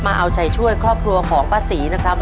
มาเอาใจช่วยครอบครัวของป้าศรีนะครับ